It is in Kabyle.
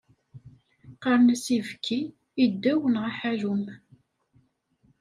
Qqaren-as ibki, iddew neɣ aḥallum.